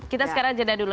kita sekarang jeda dulu